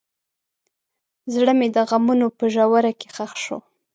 زړه مې د غمونو په ژوره کې ښخ شو.